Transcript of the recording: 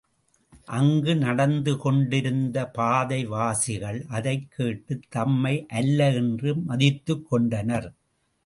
அங்கு நடந்து கொண்டிருந்த பாதைவாசிகள் அதைக் கேட்டுத் தம்மை அல்ல என்று மதித்துக் கொண்டனர்.